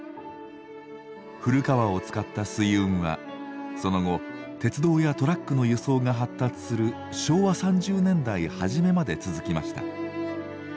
古川を使った水運はその後鉄道やトラックの輸送が発達する昭和３０年代初めまで続きました。